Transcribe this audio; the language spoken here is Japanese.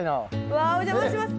わお邪魔します。